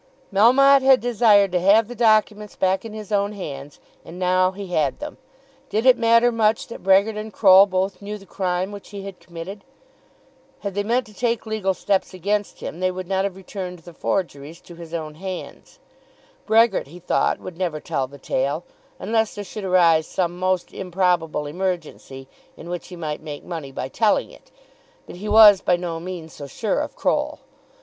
Melmotte had desired to have the documents back in his own hands, and now he had them. Did it matter much that Brehgert and Croll both knew the crime which he had committed? Had they meant to take legal steps against him they would not have returned the forgeries to his own hands. Brehgert, he thought, would never tell the tale, unless there should arise some most improbable emergency in which he might make money by telling it; but he was by no means so sure of Croll.